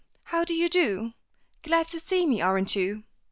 How d'ye do? Glad to see me, aren't you?"